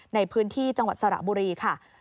ในพื้นที่จังหวัดสระบุรีค่ะ